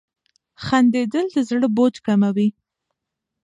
• خندېدل د زړه بوج کموي.